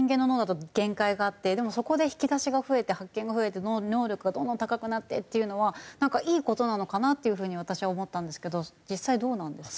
でもそこで引き出しが増えて発見が増えて能力がどんどん高くなってっていうのはいい事なのかなっていう風に私は思ったんですけど実際どうなんですか？